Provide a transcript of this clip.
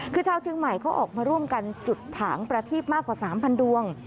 คือชาวเชียงใหม่เขาออกมาร่วมกันจุดผางประทีบมากกว่า๓๐๐ดวง